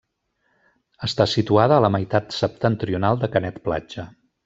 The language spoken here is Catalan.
Està situada a la meitat septentrional de Canet Platja.